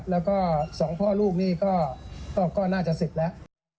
แล้วก็๒พ่อลูกนี่ก็น่าจะเสร็จแล้ว